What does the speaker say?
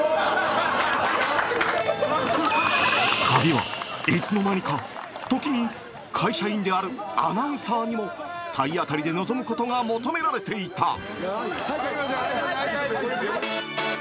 旅はいつの間にか時に会社員であるアナウンサーにも体当たりで臨むことが求められていた。